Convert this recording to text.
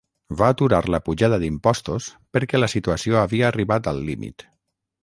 Va aturar la pujada d'impostos perquè la situació havia arribat al límit.